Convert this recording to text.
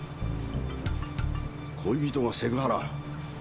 恋人がセクハラ。